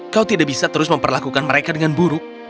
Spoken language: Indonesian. kau tidak bisa terus memperlakukan mereka dengan buruk